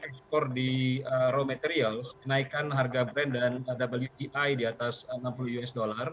export di raw materials naikan harga brand dan wti di atas enam puluh usd